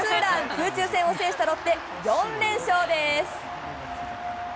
空中戦を制したロッテ、４連勝です。